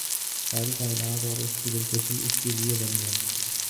ساری کائنات اور اس کی دلکشی اس کے لیے بنی ہے